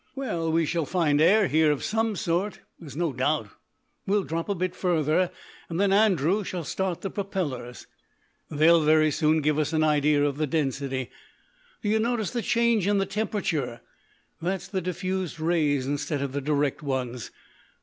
"Well, we shall find air here of some sort, there's no doubt. We'll drop a bit further and then Andrew shall start the propellers. They'll very soon give us an idea of the density. Do you notice the change in the temperature? That's the diffused rays instead of the direct ones.